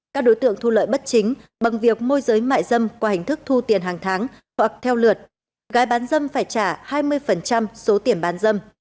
các đối tượng thu lợi bất chính bằng việc môi giới mại dâm qua hình thức thu tiền hàng tháng hoặc theo lượt gái bán dâm phải trả hai mươi số tiền bán dâm